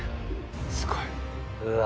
すごい！うわ！